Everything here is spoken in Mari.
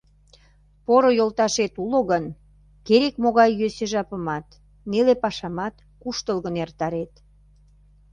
Поро йолташет уло гын, керек-могай йӧсӧ жапымат, неле пашамат куштылгын эртарет.